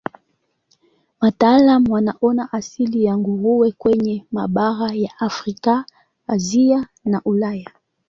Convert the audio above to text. Wataalamu wanaona asili ya nguruwe kwenye mabara ya Afrika, Asia na Ulaya.